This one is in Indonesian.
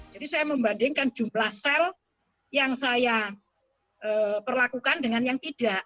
jadi saya membandingkan jumlah sel yang saya perlakukan dengan yang tidak